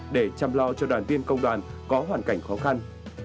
để chăm lo cho đoàn viên công đoàn có hoàn cảnh khó khăn